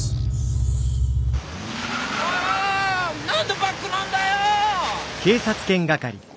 何でバックなんだよ！